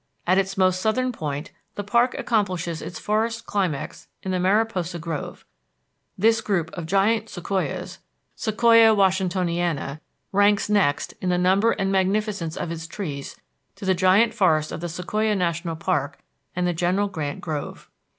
At its most southern point, the park accomplishes its forest climax in the Mariposa Grove. This group of giant sequoias (Sequoia washingtoniana) ranks next, in the number and magnificence of its trees, to the Giant Forest of the Sequoia National Park and the General Grant grove.